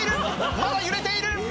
まだ揺れている！